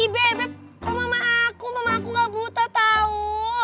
bebe kau mama aku mama aku gak buta tau